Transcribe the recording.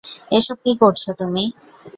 এসব কী করছো তুমি?